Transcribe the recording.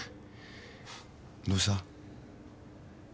どうした？